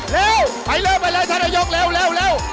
เร็วไปเร็วไปเลยธนยกเร็วเร็วเร็ว